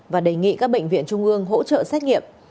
và đề nghị các bệnh viện trung ương hỗ trợ xét nghiệm